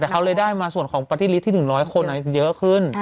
แต่เขาเลยได้มาส่วนของปาร์ตี้ลิตที่๑๐๐คนเยอะขึ้น